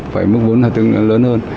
phải mức tối thiểu lớn hơn